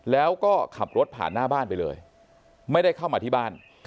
แล้วก็ขับรถผ่านหน้าบ้านไปเลยไม่ได้เข้ามาที่บ้าน